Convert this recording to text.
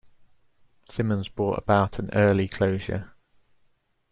Simmons brought about an early closure..